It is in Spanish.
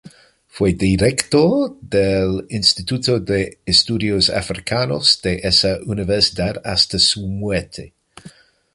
Fue director del Instituto de Estudios Africanos de esa universidad hasta su muerte.